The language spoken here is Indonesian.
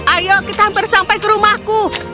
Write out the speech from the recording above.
ayo kita hampir sampai ke rumahku